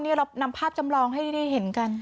นี่เรานำภาพจำลองให้ได้เห็นกัน